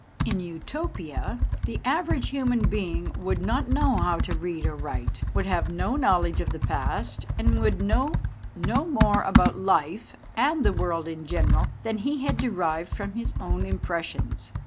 In Utopia, the average human being would not know how to read or write, would have no knowledge of the past, and would know no more about life and the world in general, than he had derived from his own impres sions.